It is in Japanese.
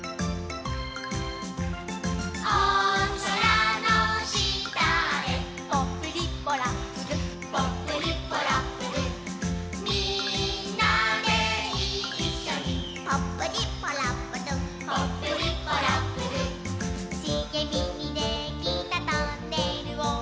「おそらのしたで」「ポップリッポラップル」「ポップリッポラップル」「みんなでいっしょに」「ポップリッポラップル」「ポップリッポラップル」「しげみにできたトンネルを」